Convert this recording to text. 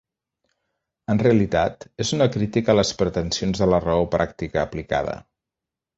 En realitat, és una crítica a les pretensions de la raó pràctica "aplicada".